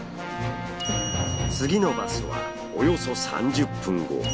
次のバスはおよそ３０分後。